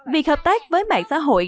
việc hợp tác với mạng xã hội đặc sản phẩm